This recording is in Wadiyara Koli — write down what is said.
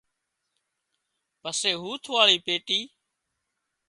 پسي هوٿ واۯي پيٽي